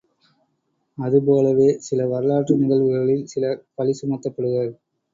அதுபோலவே, சில வரலாற்று நிகழ்வுகளில் சிலர் பழிசுமத்தப்படுவர்.